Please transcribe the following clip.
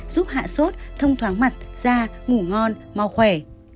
giúp hạ sốt thông thoáng mặt da ngủ ngon mau khỏe